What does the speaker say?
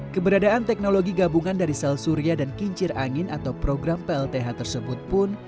keberadaan teknologi gabungan dari sel surya dan kincir angin atau program plth tersebut pun